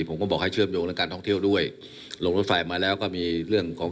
ผมก็บอกให้เชื่อมโยงเรื่องการท่องเที่ยวด้วยลงรถไฟมาแล้วก็มีเรื่องของ